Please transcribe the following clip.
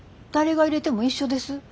誰がいれても一緒です。